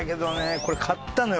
これ買ったのよ